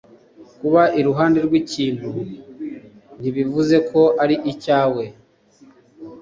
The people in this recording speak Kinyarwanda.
Kuba iruhande rw'ikintu ntibivuzeko ari icyawe